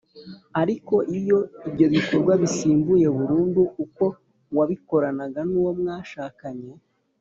ariko iyo ibyo bikorwa bisimbuye burundu uko wabikoranaga n’uwo mwashakanye